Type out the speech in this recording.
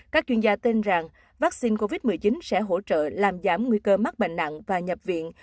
các chuyên gia tin rằng vaccine covid một mươi chín sẽ hỗ trợ làm giảm nguy cơ mắc bệnh nặng và nhập viện